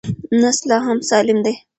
نسج لا هم سالم دی.